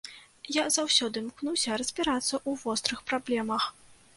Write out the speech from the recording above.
Я заўсёды імкнуся разбірацца ў вострых праблемах.